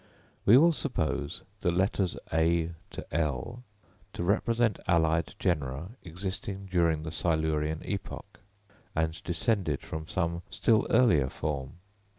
We will suppose the letters A to L to represent allied genera existing during the Silurian epoch, and descended from some still earlier form.